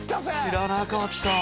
知らなかった。